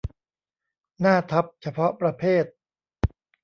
หน้าทับเฉพาะประเภท